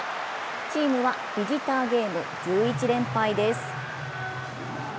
チームはビジターゲーム１１連敗です。